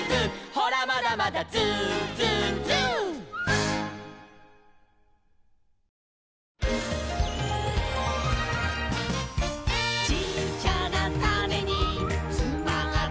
「ほらまだまだＺｏｏＺｏｏＺｏｏ」「ちっちゃなタネにつまってるんだ」